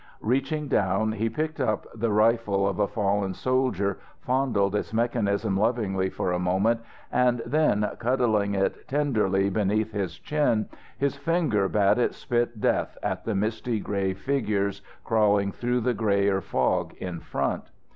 Reaching down, he picked up the rifle of a fallen soldier, fondled its mechanism lovingly for a moment, and then, cuddling it tenderly beneath his chin, his finger bade it spit death at the misty grey figures crawling through the greyer fog in front.